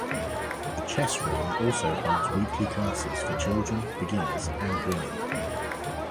The Chess Room also holds weekly classes for children, beginners, and women.